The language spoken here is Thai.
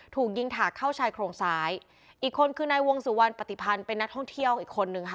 ถูกยิงถากเข้าชายโครงซ้ายอีกคนคือนายวงสุวรรณปฏิพันธ์เป็นนักท่องเที่ยวอีกคนนึงค่ะ